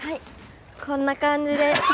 こんな感じです。